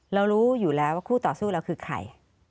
รู้อยู่แล้วว่าคู่ต่อสู้เราคือใคร